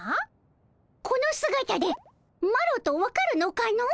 このすがたでマロと分かるのかの？